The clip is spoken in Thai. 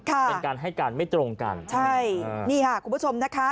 เป็นการให้การไม่ตรงกันใช่นี่ค่ะคุณผู้ชมนะคะ